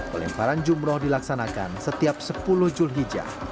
pelemparan jumroh dilaksanakan setiap sepuluh julhijjah